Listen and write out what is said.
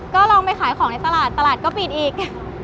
ก็ลองไปขายของในตลาดตลาดก็ปิดอีก